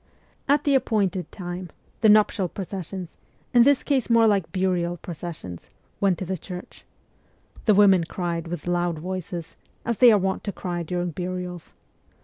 At the appointed time, the nuptial processions, in this case more like burial processions, went to the church. The women cried with loud voices, as they are wont to cry during burials.